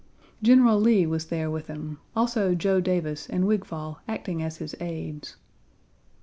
General Lee was there with him; also Joe Davis and Wigfall acting as his aides.